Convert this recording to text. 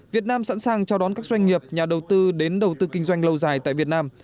việt nam sẵn sàng chào đón các doanh nghiệp nhà đầu tư đến đầu tư kinh doanh lâu dài tại việt nam